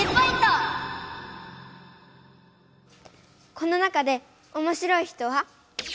この中でおもしろい人は？